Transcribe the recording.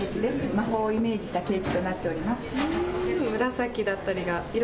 魔法をイメージしたケーキとなっております。